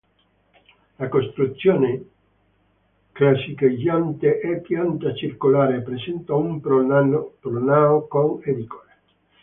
La costruzione classicheggiante è a pianta circolare e presenta un pronao con edicole.